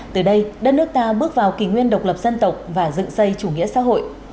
từ đây đất nước ta bước vào kỷ nguyên độc lập dân tộc và dựng xây chủ nghĩa xã hội